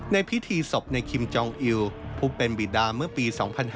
ในพิธีศพในคิมจองอิวผู้เป็นบิดาเมื่อปี๒๕๕๙